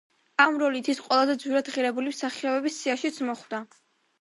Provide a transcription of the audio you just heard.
ამ როლით ის ყველაზე ძვირად ღირებული მსახიობების სიაშიც მოხვდა.